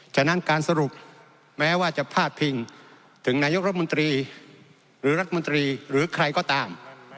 ฉะนั้นการสรุปแม้ว่าจะพาดพิงถึงนายกรัฐมนตรีหรือรัฐมนตรีหรือใครก็ตาม